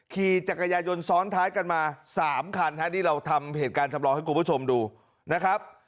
ขี่จักรยายนซ้อนท้ายกันมา๓คันนี่เราทำเหตุการณ์จำลองให้คุณผู้ชมดูนะครับ